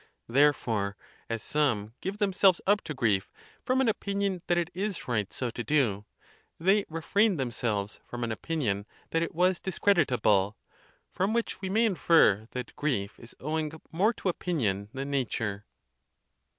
There fore, as some give themselves up to grief from an opinion that it is right so to do, they refrained themselves, from an opinion that it was discreditable; from which we may infer that grief is owing more to opinion than nature.